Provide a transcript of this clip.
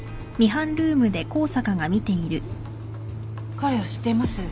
彼を知っています。